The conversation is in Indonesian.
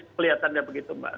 kelihatannya begitu mbak